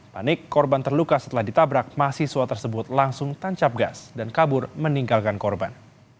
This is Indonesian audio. panik korban terluka setelah ditabrak mahasiswa tersebut langsung tancap gas dan kabur meninggalkan korban